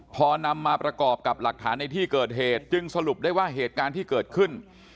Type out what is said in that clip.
พอนำมาประกอบกับหลักฐานในที่เกิดเหตุจึงสรุปได้ว่าเหตุการณ์ที่เกิดขึ้น